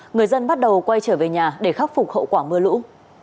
người dân bắt đầu quay trở về nhà để khắc phục hậu quả mưa lũ